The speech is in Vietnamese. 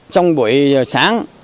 trong buổi sáng